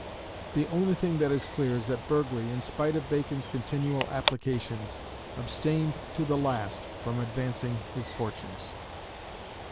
The only thing that is clear is that Burghley, in spite of Bacon's continual applications, abstained to the last from advancing his fortunes.